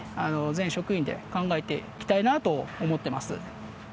全職員で考えていきたいなと思ってます。